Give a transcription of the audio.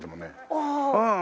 ああ！